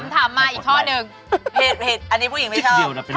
ถามมาอีกข้อนึง